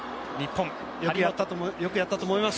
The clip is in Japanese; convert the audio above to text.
よくやったと思います。